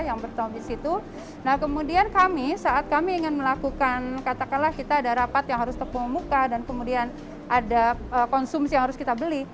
yang bertemu di situ nah kemudian kami saat kami ingin melakukan katakanlah kita ada rapat yang harus tepung muka dan kemudian ada konsumsi yang harus kita beli